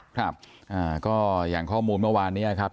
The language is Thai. ครับก็อย่างข้อมูลเมื่อวานนี้ครับ